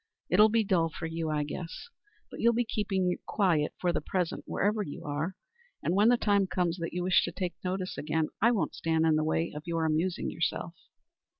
It'll be dull for you, I guess; but you'll be keeping quiet for the present wherever you are; and when the time comes that you wish to take notice again I won't stand in the way of your amusing yourself."